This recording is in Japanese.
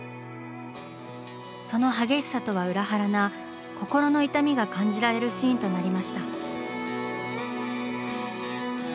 その激しさとは裏腹な心の痛みが感じられるシーンとなりました。